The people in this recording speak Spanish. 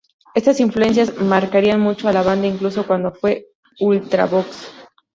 Estas influencias marcarían mucho a la banda incluso cuando fue "Ultravox!